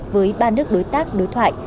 với ba nước đối tác đối thoại